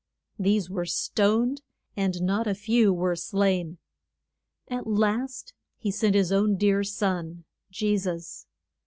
These were stoned, and not a few were slain. At last he sent his own dear son, Je sus.